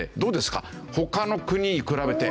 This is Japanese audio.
他の国に比べて。